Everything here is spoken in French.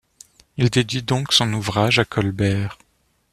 Il dédie son ouvrage à Colbert.